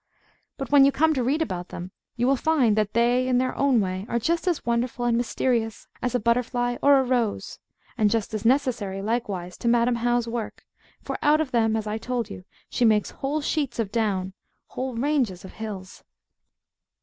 But when you come to read about them, you will find that they, in their own way, are just as wonderful and mysterious as a butterfly or a rose; and just as necessary, likewise, to Madam How's work; for out of them, as I told you, she makes whole sheets of down, whole ranges of hills.